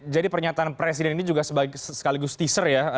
jadi pernyataan presiden ini juga sekaligus teaser ya